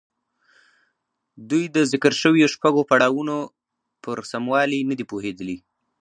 دوی د ذکر شويو شپږو پړاوونو پر سموالي نه دي پوهېدلي.